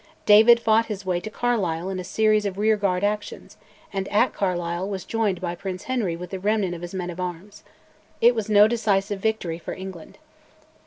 David fought his way to Carlisle in a series of rearguard actions, and at Carlisle was joined by Prince Henry with the remnant of his men at arms. It was no decisive victory for England.